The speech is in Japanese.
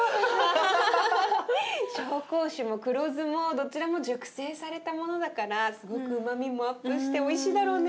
紹興酒も黒酢もどちらも熟成されたものだからすごくうまみもアップしておいしいだろうね。